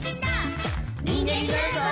「にんげんになるぞ！」